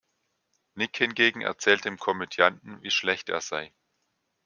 Nick hingegen erzählt dem Komödianten, wie schlecht er sei.